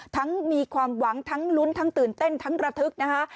มีความหวังทั้งลุ้นทั้งตื่นเต้นทั้งระทึกนะคะ